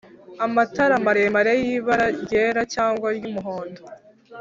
Amatara maremare y'ibara ryera cyangwa ry'umuhondo